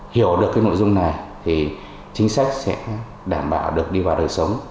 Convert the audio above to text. hiểu được cái nội dung này thì chính sách sẽ đảm bảo được đi vào đời sống